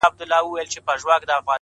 گوره ځوانـيمـرگ څه ښـه وايــي _